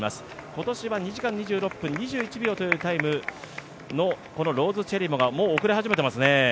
今年は２時間２６分２１秒というタイムのローズ・チェリモがもう遅れ始めていますね。